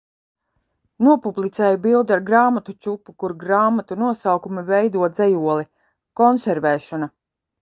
Nopublicēju bildi ar grāmatu čupu, kur grāmatu nosaukumi veido dzejoli. Konservēšana